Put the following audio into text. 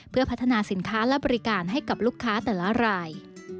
เพื่อพัฒนาสินค้าและบริการให้กับลูกค้าแต่ละราย